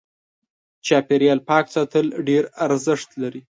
چاپېريال پاک ساتل ډېر ارزښت لري.